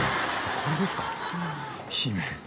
これですか？